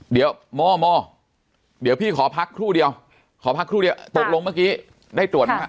เดี๋ยวม่อมเดี๋ยวพี่ขอพักครู่เดียวขอพักครู่เดียวตกลงเมื่อกี้ได้ตรวจไหมฮะ